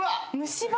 虫歯？